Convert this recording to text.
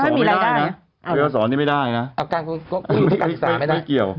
แต่กอย่าสอไม่ได้นะเกี่ยวก็คืนกับการศึกษาไม่ได้ไม่เกี่ยว